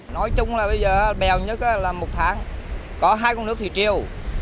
nói chung là bây giờ bèo nhất là một tháng có hai con nước thủy triều